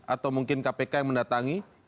atau mungkin kpk yang mendatangi